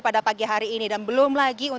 pada pagi hari ini dan belum lagi